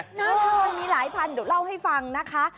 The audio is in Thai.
หน้าทองมีหลายพันเดี๋ยวเล่าให้ฟังนะคะ